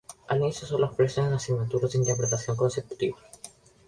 Al inicio solo se ofrecen asignaturas de interpretación consecutiva.